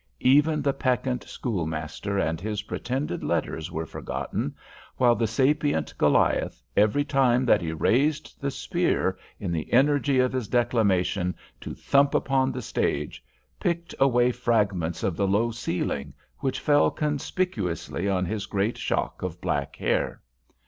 Even the peccant schoolmaster and his pretended letters were forgotten, while the sapient Goliath, every time that he raised the spear, in the energy of his declamation, to thump upon the stage, picked away fragments of the low ceiling, which fell conspicuously on his great shock of black hair.